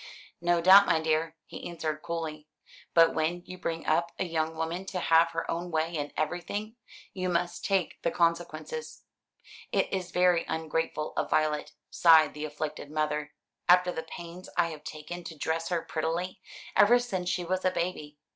"No doubt, my dear," he answered coolly; "but when you bring up a young woman to have her own way in everything, you must take the consequences." "It is very ungrateful of Violet," sighed the afflicted mother, "after the pains I have taken to dress her prettily, ever since she was a baby.